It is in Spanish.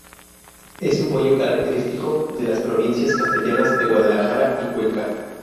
Es un bollo característico de las provincias castellanas de Guadalajara y Cuenca.